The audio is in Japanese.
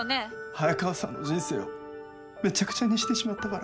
早川さんの人生をめちゃくちゃにしてしまったから。